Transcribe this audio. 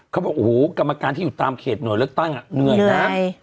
เขาบอกโอ้โหกรรมการที่อยู่ตามเขตหน่วยเลือกตั้งเหนื่อยนะ